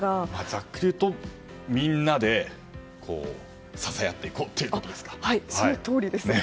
ざっくり言うと、みんなで支え合っていこうということですか。